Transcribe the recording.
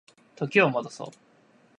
時を戻そう